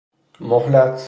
مﮩلت